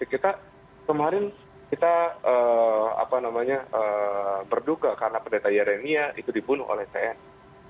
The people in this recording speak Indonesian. kita kemarin kita berduka karena pendeta yeremia itu dibunuh oleh tni